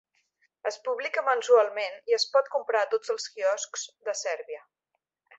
Es publica mensualment i es pot comprar a tots els quioscs de Sèrbia.